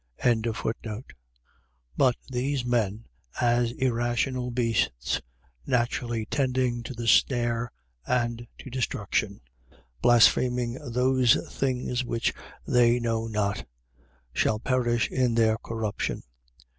2:12. But these men, as irrational beasts, naturally tending to the snare and to destruction, blaspheming those things which they know not, shall perish in their corruption: 2:13.